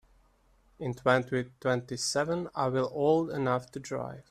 In twenty-twenty-seven I will old enough to drive.